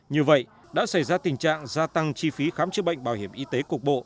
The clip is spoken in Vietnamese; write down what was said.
như vậy đã xảy ra tình trạng gia tăng chi phí khám chữa bệnh bảo hiểm y tế cục bộ